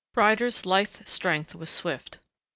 Ryder's lithe strength was swift.